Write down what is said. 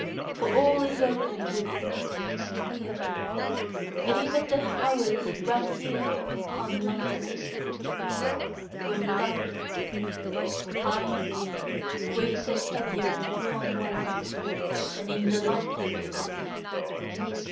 For all is open with thee and clear; and even the hours run here on lighter feet. For in the dark, time weigheth heavier upon one than in the light.